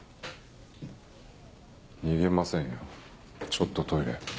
逃げませんよちょっとトイレ。